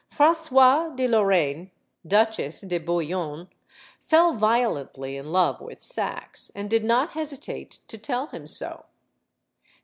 Francoise de Lorraine, Duchesse de Bouillon, fell violently in love with Saxe, and did not hesitate to tell him so.